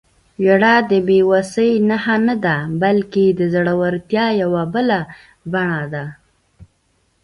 • ژړا د بې وسۍ نښه نه ده، بلکې د زړورتیا یوه بله بڼه ده.